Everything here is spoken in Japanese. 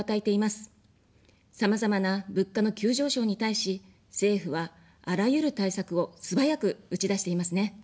さまざまな物価の急上昇に対し、政府は、あらゆる対策を素早く打ち出していますね。